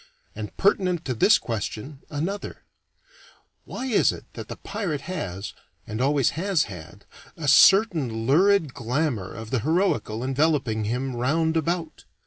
And pertinent to this question another Why is it that the pirate has, and always has had, a certain lurid glamour of the heroical enveloping him round about?